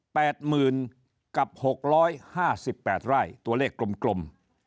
หมื่นกับหกร้อยห้าสิบแปดไร่ตัวเลขกลมกลม